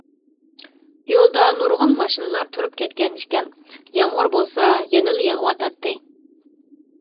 يولدا نۇرغۇن ماشىنىلار تۇرۇپ كەتكەنىكەن، يامغۇر بولسا يەنىلا يىغىۋاتاتتى.